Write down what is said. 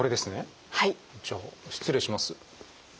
じゃあ失礼します。